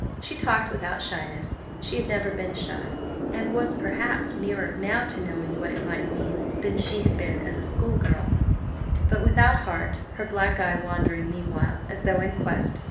She talked, without shyness she had never been shy, and was perhaps nearer now to knowing what it might mean than she had been as a schoolgirl but without heart; her black eye wandering meanwhile, as though in quest.